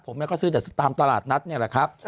ผมก็ซื้อตามตลาดนัดเนี่ยแหละครับ